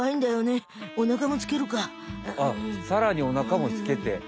あっさらにおなかもつけて。